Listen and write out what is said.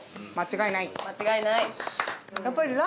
間違いない。